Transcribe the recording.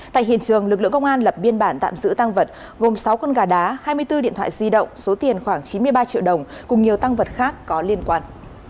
tại hiện trường lực lượng công an lập biên bản tạm giữ tăng vật gồm sáu con gà đá hai mươi bốn điện thoại di động số tiền khoảng chín mươi ba triệu đồng cùng nhiều tăng vật khác có liên quan